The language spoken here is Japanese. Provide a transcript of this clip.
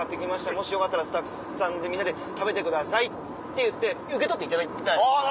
もしよかったらスタッフさんでみんなで食べてください」って言って受け取っていただいたんです。